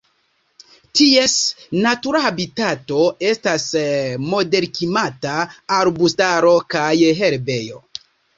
Ties natura habitato estas moderklimata arbustaro kaj herbejo.